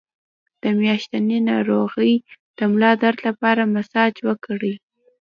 د میاشتنۍ ناروغۍ د ملا درد لپاره مساج وکړئ